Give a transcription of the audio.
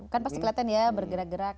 kan pasti kelihatan ya bergerak gerak